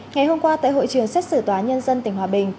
ngày hôm qua tại hội trường xét xử tòa nhân dân tỉnh hòa bình